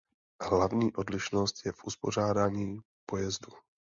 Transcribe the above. Hlavní odlišnost je v uspořádání pojezdu.